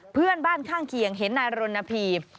เพื่อนบ้านข้างเคียงเห็นนายรณพี